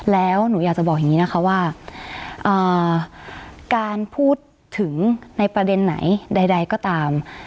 แล้วหนูอยากจะบอกอย่างนี้นะคะว่าการพูดถึงในประเด็นไหนใดก็ตาม